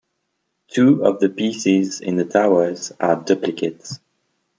Two of the pieces in the towers are duplicates.